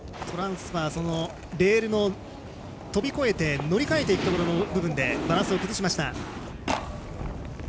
トランスファーレールを飛び越えて乗り換えていく部分でバランスを崩した。